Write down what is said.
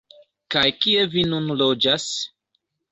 Kaj kie vi nun loĝas?